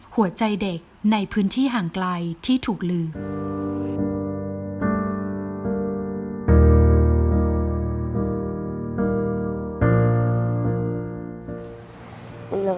หัวใจเด็กในพื้นที่ห่างไกลที่ถูกลืม